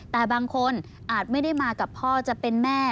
แต่บางคนอาจไม่ได้มากับพ่อจะเป็นแม่